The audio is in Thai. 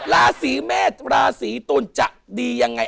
ราศรีแม่ราศรีตุ๋นจะดียังไง